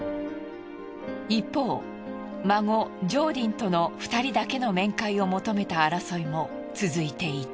一方孫ジョーディンとの２人だけの面会を求めた争いも続いていた。